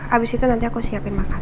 abis itu nanti aku siapin makan